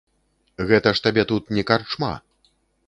Гэта ж табе тут не карчма!